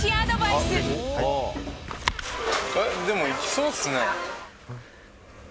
でも、いきそうっすね。